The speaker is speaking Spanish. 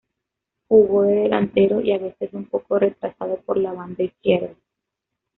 Jugó de delantero y a veces un poco retrasado por la banda izquierda.